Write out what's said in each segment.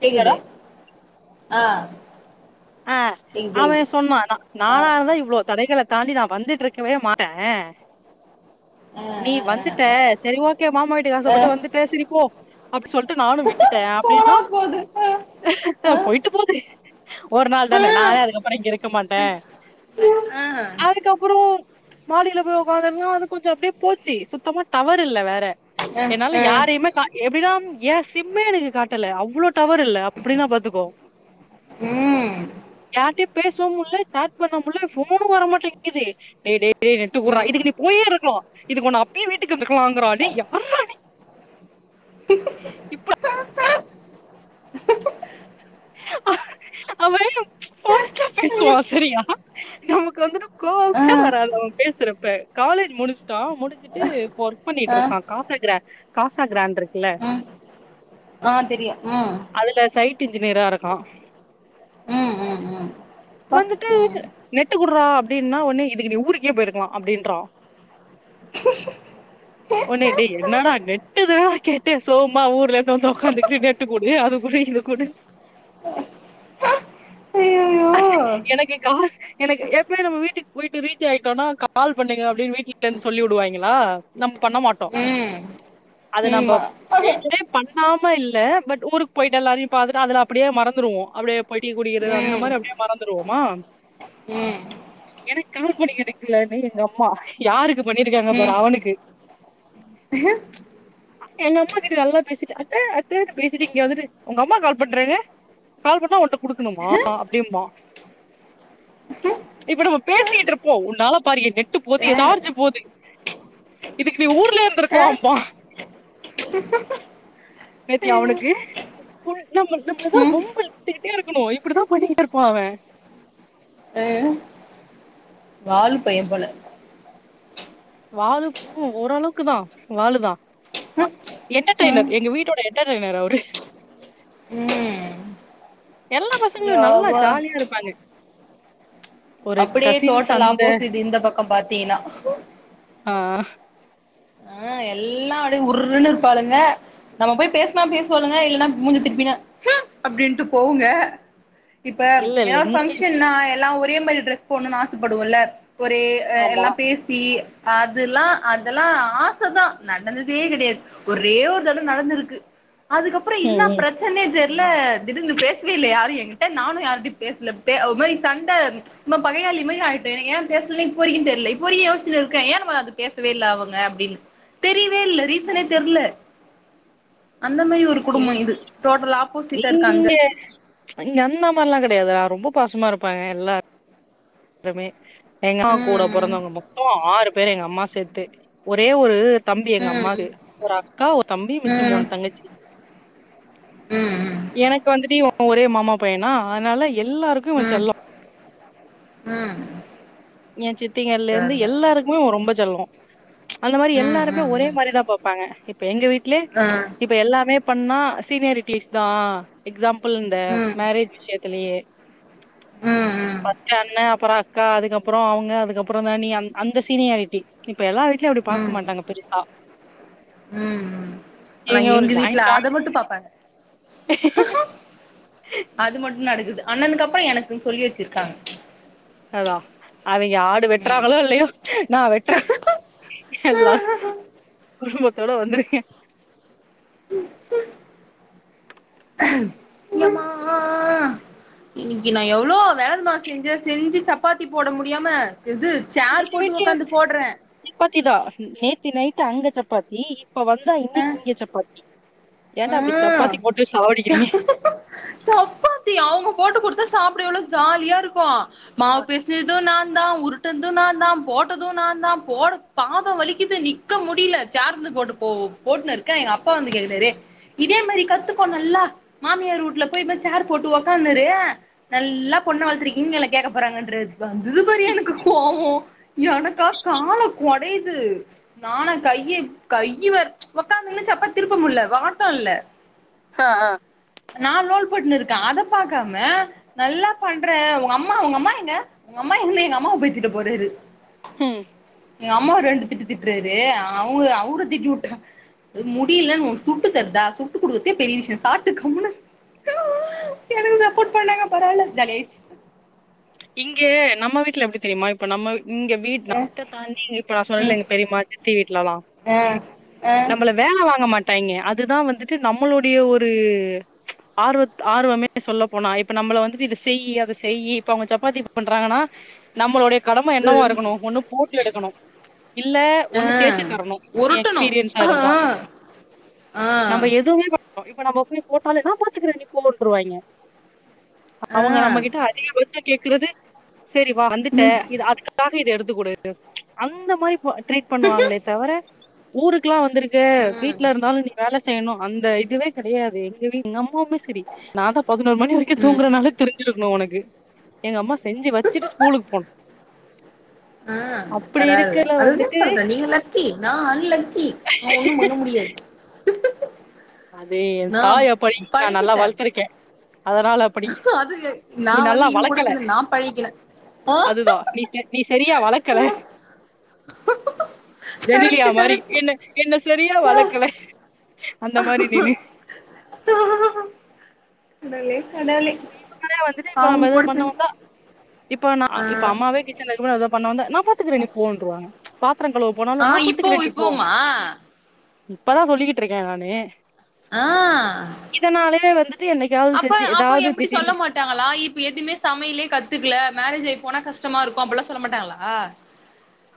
கேக்குதாடா கேக்குது ஆ ஆ கேக்குது அவ கேக்குது சொன்னா ஆனா ஆ நானா இருந்தா இவ்ளோ தடைகள தாண்டி நா வந்துட்ருக்கவே மாட்டே நீ ஆ வந்துட்ட செரி ஓக்கே மாமா வீட்டுக்கு ஆச ஆ ஆ பட்டு வந்துட் ட சிரிப்போ அப்டி சொல்ட்டு நானு ஆ விட்டுட்டே போனா அப்டின்னா போது ஆ த ஆ போய்ட்டு போது ஒரு நாள் ஆ தான நானே அதுக்கப்றோ இங்க இருக்க மாட்ட ஆ ஆ அதுக்கப்புறோ மாடில போய் உக்காந்தன்னா வந்து கொஞ்ச அப்டியே போச்சி சுத்தமா டவர் இல்ல வேற என்னால ஆ யாரையுமே கா எப்டினா ஏ சிம்மே எனக்கு காட்டல அவ்ளோ டவர் இல்ல அப்டினா பாத்துக்கோ ம் யார்டயு பேசவு முல்ல சாட் பண்ண முல்ல ஃபோனும் வர மாட்டிங்கிது டே டே ஏ நெட்டு குற்றா இதுக்கு நீ போயே இருக்கலா இதுக்கு உன்ன அப்பயே வீட்டுக்கு இருக்கலாங்கறா டே யாரா நீ இப்ப அவ ஹோஸ்டா பேசுவா ம் செரியா நமக்கு வந்துட்டு ஆ கோவமே வராது அவ பேசுறப்ப காலேஜ் முடிச்ட்டா முடிச்சிட்டு இப்ப ஒரு ஆ பண்ணிட்ருக்கா காசா கிர காசா கிரான்ட் இருக்கில்ல ம் ஆ தெரியு ம் அதுல சைட் இன்ஜினியரா இருக்கா ம் ம் ம் அப்பா வந்துட்டு ம் நெட்டு குட்றா அப்டின்னா ஒண்ணு இதுக்கு நீ ஊருக்கே போய்ருக்கலா அப்டின்றா ஒன்னே டே என்னடா நெட்டு தான டா கேட்ட சோம்மா ஊர்ல இருந்து வந்து ஒக்காந்துக் கிட்டு நெட்டு குடு அது ஒரே இத குடு ஐயையோ எனக்கு காஸ் எனக்கு எப்பயு நம்ம வீட்டுக்கு வீட்டுக்கு ரீச் ஆயிட்டோனா கால் பண்ணுங்க அப்டின் வீட்ல இருந்து சொல்லி வுடுவாய்ங்களா நம்ப் பண்ண மாட்டோ ம் அது ம் நம்ப மா பேய்கினே பண்ணாம இல்ல பட் ஊருக் போய்ட்டு எல்லாரையு பாத்துட்டு அதுல அப்டியே மறந்துருவோ அப்டியே போய் டீ குடிக்கிறது அந்த ம் மாரி அப்டியே மறந்துருவோமா ம் எனக்கு கால் பண்ணி எடுக்கலன்னு எங்க அம்மா யாருக்கு பண்ணிருக்காங்க ம் பாரு அவனுக்கு எங்க அம்மா கிட்ட நல்லா பேசிட்டு அத்த அத்தனு பேசிட்டு இங்க வந்துட்டு உங்க அம்மா கால் பண்றாங்க கால் பண்ணா உன்ட்ட குடுக்கணுமா அப்டிம்பா இப்ப நம்ம பேசிட்ருப்போ உன்னால பாரு எ நெட்டு போது எ சார்ஜ் போது இதுக்கு நீ ஊர்லயே இருந்திருக்கலாம்பா வாலு [inaudible] நேத்திய அவனுக்கு ஃபுல் நம் நம்பளதா வம்பிழுத்துக்கிட்டே இருக்கணு இப்டிதா பண்ணிக்கிட்ருப்பா அவே ஆ வால் பைய போல வாலு பு ஓரளவுக்கு தா வாலு தா ம் என்டடெய்னர் எங்க வீட்டோட என்டடெய்னர் அவரு ம் எல்லா பசங்களு நல்லா ஜாலியா இருப்பாங்க ஒரு அப்டியே கசின் டோட்டல் சண்ட ஆப்போசிட் இந்த பக்கம் பாத்தீங்கனா ஆ ஆ ஆ எல்லா அப்டியே உர்ன்னு இருப்பாளுங்க நம்ம போய் பேசனா பேசுவாலுங்க இல்லனா மூஞ்ச திருப்பினு ம் அப்டின்ட்டு போவுங்க இப்ப இல்ல இல்ல ஏதா ஒரு இங்க ஃபங்க்ஷன்னா எல்லா ஒரே மாரி ட்ரெஸ் போட்னுன் ஆசப் படுவல்ல ஒரே அ ஆமா எல்லா பேசி அதுல்லா அதெல்லா ஆ ச தா நடந்ததே கெடையாது ஒரே ஒரு தடவ நடந்திருக்கு அதுக்கப்புறோ ம் இன்னா பிரச் சன்னே தெர்ல திடிர்னு பேசவே இல்ல யாரு எகிட்ட நானு யாருட்டையு பேசல பே அ ஒரு மாரி சண்ட நம்ம பகையாளி மாரி ஆய்ட்டே ஏ பேசல இப்போ வரைக்கு தெர்ல இப்போ வரைக்கு யோச்சினு இருக்கே ஏ நம்ம அது பேசவே இல்ல அவுங்க அப்டின்னு தெரியவே இல்ல ரீசனே தெர்ல அந்த மாரி ஒரு குடும்ப ம் இது டோட்டல் ஆப்போசிட்டா இருக்காங்க இங்க இங்க அந்த மார்லா கெடையாது ரொம்ப பாசமா இருப்பாங்க எல்லா ருமே எங்க அம்மா கூட ம் பொறந்தவங்க மொத்தோ ஆறு பேர் எங்க அம்மா சேத்து ஒரே ஒரு தம்பி எங்க ம் அம்மாக்கு ம் ஒரு அக்கா ஒரு தம்பி மிச்சோ மூணு தங்கச்சி ம் ம் எனக்கு வந்துட்டு இவ ஒரே மாமா பையனா அதனால எல்லாருக்கு இவ ம் ம் செல்லோ ம் எ சித்திங்கல்லர்ந்து பரவால்ல எல்லாருக்குமே இவ ரொம்ப செல்லோ அந்த மாரி ம் எல்லாருமே ம் ஒரே ம் மாரிதா பாப்பாங்க இப்ப எங்க வீட்ல ஆ இப்ப எல்லாமே பண்ணா சீனியாரிட்டிஸ் தா எக்ஸாம்புள் இந்த ம் ம் மேரே ஜ் அதலயே ம் ம் ஃபஸ்ட்டு அண்ணே அப்புறோ அக்கா அதுக்கப் அப்புறோ அவுங்க அதுக்கப்புறோ தா நீ அந் அந்த சீனியாரிட்டி இப்ப எல்லா வீட்லையு அப்டி பாக்க ம் மாட்டாங்க பெருசா ம் ஆனா நீங்க ஒரு எங்க வீட்ல ஜாயின் அத ஃபேமலி மட்டு பாப்பாங்க அது மட்டு நடக்குது அண்ணனுக்கு அப்புறோ எனக்குன் சொல்லி வச்சிருக்காங்க அதா அவிங்க ஆடு ம் வெட்றாங்களோ இல்லையோ நா வெட்ற எல்லாரு குடும்பத்தோட வந்துருங்க எம்மா இன்னைக்கு நா எவ்ளோ வேலமா செஞ்ச செஞ்சி சப்பாத்தி போட முடியாம இது சேர் எங்க போட்டு வீட்லயு ஒக்காந்து போட்ற சப்பாத்தி தா நேத்தி நைட்டு அங்க சப்பாத்தி இப்ப வந்தா இன்னைக்கு இங்க சப்பாத்தி ஏன்டா இப்டி ம் சப்பாத்தி போட்டு சாவடிக்கிறீங்க சப்பாத்தி அவுங்க போட்டு குடுத்தா சாப்ட எவ்ளோ ஜாலியா இருக்கு மாவு பெஸ்ஞ்து நா தா உருண் பேட்டது நா தா போட்டது நாந்தா போட பாதோ வலிக்கிது நிக்க முடியில சேர்ருந்து போட்டு போவோ ஒட்னு இருக்க எங்க அப்பா வந்து கேக்கறாரு இதே மாரி கத்துக்கோ நல்லா மாமியாரு ஊட்ல போயி இது மார் சேர் போட்டு ஒக்காந்னுரு நல்லா பொண்ண வளத்திருக்கீங்கன் என்ன கேக்க போறாங்கன்றாரு வந்தது பாரு எனக்கு கோவோ எனக்கா கால கொடையிது நானா கைய கைய வேற ஒக்காந்துன்னு சப்பாத் திருப்ப முல்ல வாட்டோ இல்ல ஹ ஆ நா லோல் போட்டுனு இருக்கே அத பாக்காம நல்லா பண்ற ஒங்க அம்மா ஒங்க அம்மா எங்க ஒங்கம்மா எங்கனு எங்க அம்மாவ போய் திட்ட போதுரு ஹும் எங் அம்மாவ் ரெண்டு திட்டு திட்றரு அவ்ங்க அவர திட்டி வுட்டா அ முடிலன் இ [inaudible] ட்டு தர்தா சுட்டு குடுக்குத்தே பெரிய விஷ்யு சாப்ட்டு கம்முனு எனக்கு சப்போட் பண்ணாங்க பரவால ஜாலியாச் இங்கே நம்ம வீட்ல எப்டி தெரிமா இப்ப நம்ம இங்க வீட் அ நத்த தாண்டி இனி பா ம் சொல்னேனு பெரியம்மா சித்தி வீட்லலா அ அ நம்மளம் வேல வாங்க மாட்டாய்ங்க அதுதா வந்துட்டு நம்ளுடைய ஒரு ஆர்வத் ஆர்வமே சொல்ல போனா இப்ப நம்மள வந்துட்டு இத செய்யி அத செய்யி ப்ப அவ்ங்க சப்பாத்தி பண்றாங்கனா நம்மளோடைய கடம என்னவாருக்குனு ஒன்னு போட்டு எடுக்கனு இல்ல அ ஒன்னு தேச்சு தரனு நீ உருட்டணு எக்ஸ்பீரியன்ஸா அ இருந்தா அ நம்ம எதுமே [inaudible] இப்ப நம்ம போ போட்டாலெனா நா பாத்துக்குற நீ போ‌ ன்றுவாய்ங்க அ அவுங்க நம்மகிட்ட அதிகபட்ச கேக்குறது சரி வா வந்துட்டே ம் இது அதுக்கப் தாஹி இத எடுத்துக்குடு [inaudible] அந்த மாரி போ ட்ரீட் பண்ணுவாங்ளே தவர ஊருக்குெல்லா வந்திருக் க ம் வீட்ல இருந்தாலு நீ வேல செய்னு அந்த இதுவே கெடையாது எங்கவீ நம்ப மிஸ் சரி நாதா பதினோரு மணி வரைக்கு ம் தூங்குறனால தெரிஞ்சிருக்குனு ஒனக்கு எங்கம்மா செஞ்சி வச்சிட்டு ஸ்கூலுக் போன் ஆ வரால்ல இருக்கல அதுதா வந்துட்டு சொல்றே நீங்க லக்கி நா அன்லக்கி ஆ ஒன்னு பண்ண முடியாத் அதே ஏ நா தாய் அப்பய் நா நல்லா பழகிட்டே வள்த்துருக்கே அதனால அப்படி அது நா நீ வந்து நல்லா இவங் கூட வளக்கல சேந்து நா பழகிக்கினே ஆ அதுதா நீ செ நீ செரியா வளக்கல ஜெனிலியா கரெக்ட்டு மாரி கரெக்ட் என்ன என்ன சரியா வளக்கல அந்த மாரி நினு [unintelligible] மி இவுங்களே வந்துட்டு ப்பு அவங்க மெதுவா கூட சேந்து பண்ணோன்தா இப்ப நா ஆ இப்ப அம்மாவே கிச்சன்ல இருக்கும்போது அதா பண்ண வந்தா நா பாத்துக்குறே நீ போன்ருவாங்க பாத்தரங்கழுவ் போனாலு ஆ நா இப்போ பாத்துக்றே நீ போ இப்போமா இப்பதா சொல்லிக்கிட்ருக்கே நானே ஆ இதனாலே வந்துட்டு என்னைக்காவ் செஞ்சி என் போ எப்புடி சொல்ல மாட் ட்டாங்களா இப் எதுமே சமையலே கத்துக்ல மேரேஜ் அய் போனா கஷ்டமா இருக்கு அப்பல்லா சொல்ல மாட்டாங்ளா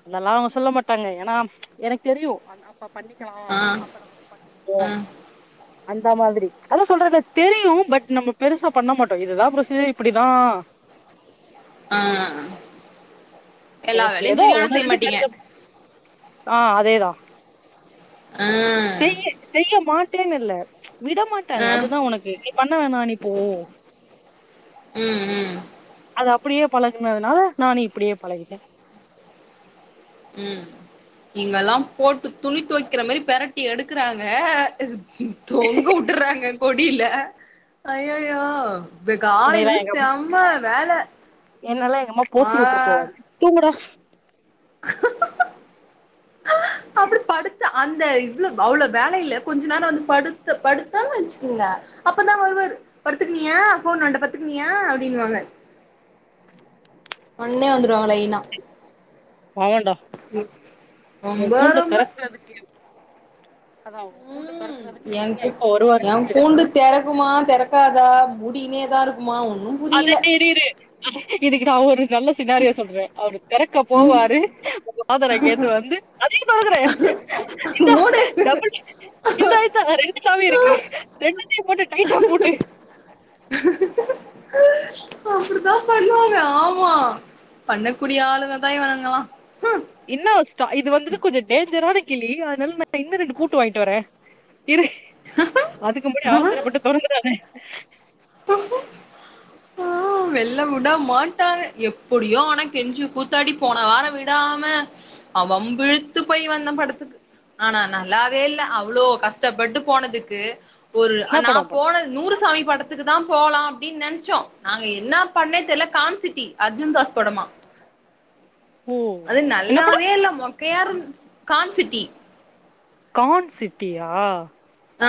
அதல்லா அவுங்க சொல்ல மாட்டாங்க ஏனா எனக் தெரியு அங் அப் பா பண்ணிக்லா ஆ அப்ப நம்ம பண் ஆ அந்த மாதிரி அத சொல்றனே தெரியு பட் நம்ம பெருசா பண்ண மாட்டோ இதுதா ப்ரொசீரு இப்டிதா ஆ எ எல்லா வேலையு ஏதோ தெரியு ஆனா ஒன்னு செய்ய ரெண்டு மாட்டீங்க தெரிஞ்சப் ஆ அதேதா ஆ செய்யு செய்ய மாட்டேன்னுல்ல விட மாட்டாங்க ஆ அதுதா ஒனக்கு நீ பண்ண வேணா நீ போ ம் ம் அது அப்படியே பழகுனதுனால நானு இப்படியே பழகிட்டே ம் இங்கலா போட்டு துணி தொய்க்ற மாரி பெரட்டி எடுக்குறாங்க ஹு தொங்க உட்டுறாங்க கொடில ஐயயோ பே காலைல் என்னையெல்லா எங்க அம்மா சம்ம வேல ஆ தூங்கு டா அப்டி படுத்த அந்த இவ்ளோ அவ்ளோ வேலயில கொஞ்சொ நேரோ வந்து படுத் படுத்தெ வச்சுக்கோங்க அப்ப தா வருவாரு படுத்துக்குனியா ஃபோன் நோண்ட பத்துக்குனியா அப்டின்னுவாங்க வுட்ண்ணே வந்துருவாங்க லைனா பவெண்டா உ ரொம்ப கூண்ட ரொம்ப தெறக்கறதுக்கு அதா உ கூண்ட ம் தொறக்கறதுக்கு எங்க என் கு அய்யா எப்ப வருவாருன்னு என் தெர்லயே கூண்டு தெறக்குமா தெறக்காதா முடீனே தா இருக்குமா ஒண்ணூ அது தெரிது இதுக்கு நா ஒரு நல்ல செனாரியா சொல்றே அவரு தெறக்க போவாரு உங்க ஃபாதர் அங்கேந்து வந்து அத ஏ தொறக்குற இந்தா மூடு டபுள் இந்தா இந்தா ரெண்டு சாவி இருக்கு ரெண்டுத்தையூ போட்டு டைட்டா பூட்டு ஆப்பிடித் தா பண்ணுவாங்க ஆமா பண்ணக்கூடிய ஆளுங்க தா இவனுங்கலா இன்னா ஸ்ட் இது வந்துட்டு கொஞ்சோ டேஞ்சரான கிளி அதனால நா இன்னூ ரெண்டு பூட்டு வாங்கிட்டு வரே இரு அதுக்கு முன்னாடி அவசரப்பட்டு தொறந்துறாத ஆ வெள்ளவுட மாட்டாங்க எப்டியோ ஆனா கெஞ்சு கூத்தாடி போன வாரோ விடாம அ வம்பிழுத்து போய் வந்தே படத்துக்கு ஆனா நல்லாவே இல்ல அவ்ளோ கஷ்டப்பட்டு போனதுக்கு ஒரு என்ன நா படோ பண் போன நூறு சாமி படத் க்கு தா போலா அப்டின் நெனச்சோ நாங்க என்னா பண்ணே தெரில கான்சிட்டி அர்ஜுன் தாஸ் படமா ஓ அது என்ன படோ நல்லாவே இல்ல மொக்கையாருந் கான்சிட்டி கான் சிட்டியா ஆ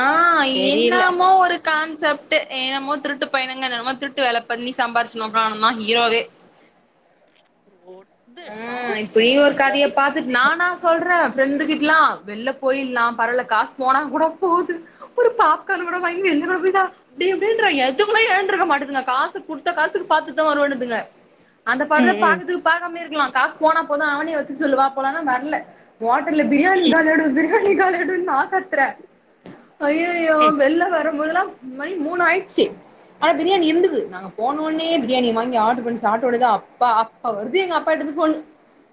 தெரியல இன்னாமா ஒரு கான்செப்ட்டு என்னமோ திருட்டு பையனுங்க என்னன்னமோ திருட்டு வேல பண்ணி சம்பாரிச்சு உக்காந்துனுந்தா ஹீரோவே ஓட் இது ஆ இப்படி டார்க்குன்னு ஒரு எதூ கதைய இல்ல நானா சொல்ற ஃப்ரெண்டு கிட்டல்லா வெள்ள போயிட்லா பரல்ல காசு போனா கூடோ போது ஒரு பாப்கார்ன் கூட வாங்கி வெள்ளக் கூட போய்டா அப்டி இப்டின்ற எதுங்குமே எழுந்துருக்க மாட்டதுங்க காசு குடுத்த காசுக்கு பாத்துட்டு தா வருவேன்னுதுங்க அந்த படத்த ம் ம் பாக்றதுக்கு பாக்கமே இருக்கலா காசு போனா போது அவனயே வச்சுக்க சொல்லு வா போலான்னா வர்ல ஓட்டல்ல பிரியாணி காலி ஆயிடோ பிரியாணி காலி ஆயிடோன்னு நா கத்றே அய்யய்யோ வெள்ள வரும் போதல்லா மணி மூணாயிச்சி ஆனா பிரியாணி இருந்துது நாங்க போனவொன்னே பிரியாணி வாங்கி ஆர்டர் பண்ணி சாப்ட்டவொன்னே தா அப்பா அப்போ வருது எங்க அப்பா கிட்டர்ந்து ஃபோனு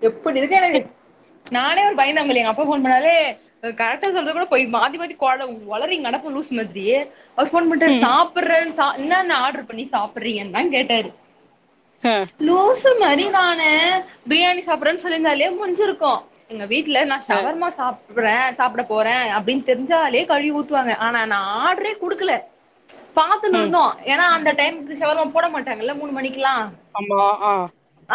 எப்டி இருக்கோ எனக்கு நானே ஒரு பயந்தாங்கோலி எங்க அப்பா ஃபோன் பண்ணாலே கரெக்டா சொல்றது கூட பொய் மாத்தி மாத்தி கொட ஒளரிங் கெடப்பே லூசு மாதிரியே அவர் ஃபோன் பண்ட்டாரு ம் சாப்புறோ தா இன்னான்னா ஆட்ரு பண்ணி சாப்புறீங்க தா கேட்டாரு அ லூஸ் ஸு மாரி நானு பிரியாணி சாப்றன் சொல்லிருந்தாலே முஞ்சிருக்கோ எங்க வீட்ல நா அ ஷவர்மா சாப்புற்றோ சாப்ட போறோ அப்டின் தெரிஞ் சாலே கழுவி ஊத்துவாங்க ஆனா நா ஆடரே குடுக்கல பாத்துன்னு ம் இருந்தோ ஏன்னா அந்த டைமுக்கு ஷவர்மா போட மாட்டாங்கல்ல மூணு மணிக்குல்லா ஆமா அ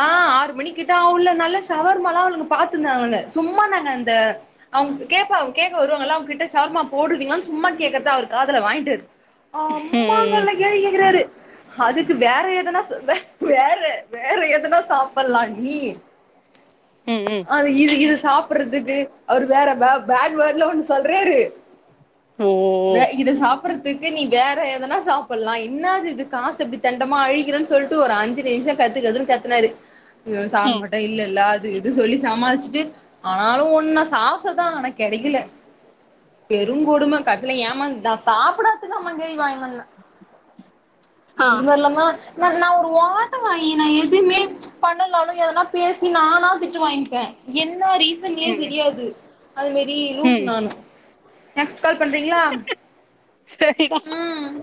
ஆ ஆறு மணிக்கிட்ட ஆவுல்ல நல்ல ஷவர்மால்லா அவளுங்க பாத்து இருந்தாலுங்க சும்மா நாங்க இந்த அவுங்க் கேப்பாவோ கேக்க வருவாங்கல்ல அவுங்கிட்ட சவர்மா போடுவீங்களா சும்மா கேக்கறதா அவரு காதுல வாங்கிடாரு ம் ம் ம் கேள்வி கேக்கிறாரு அதுக்கு வேற எதனா வேற வேற எதுனா சாப்பட்லா டி ம் ம் ம் அ இது இது சாப்பட்றதுக்கு அவரு வேற வ பேட் வேட்லா ஒன்னு சொல்றாரு ஓ வே இத சாப்பட்றதுக்கு நீ வேற எதனா சாப்பிட்லா என்னாது இது காச இப்டி தெண்டமா அழிகிறன்னு சொல்ட்டு ஒரு அஞ்சு நிமிஷோ கத்துகத்துன்னு கத்துனாரு ஐய்யோ ம் சாப்டமாட்ட இல்லல்ல இது இது சொல்லி சமாளிச்சுட்டு ஆளு ஒன்னா சார்ஸ்சுதா ஆனா கெடைக்கில பெருங்கொடுமை கடைசில ஏமாந்து தா நா சாப்பிடாதுக்கு [unintelligible] வாங்கினு வந்தே ஆ இது மாறி இல்லன்னா நா நா ஒரு ஓட்ட வாயி நா எதுமே பண்ணுல்னாலு எதனா பேசி நானா திட்டு வாங்கிப்பே என்னா ரீஸ் சன்னே ம் தெரியாது அது மாறி லூசு ம் நானு நெக்ஸ்ட் கால் பண்றீங்ளா சரிடா ம்